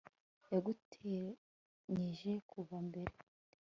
yaguteganyirije kuva mbere